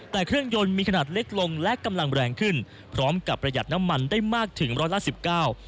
แต่เครื่องยนต์มีขนาดเล็กลงและกำลังแรงขึ้นพร้อมกับประหยัดน้ำมันได้มากถึงร้อยละสิบเก้า